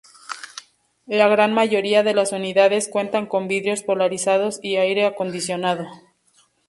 La gran mayoría de las unidades cuentan con vidrios polarizados y aire acondicionado.